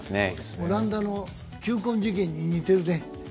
オランダの球根事件に似てるね。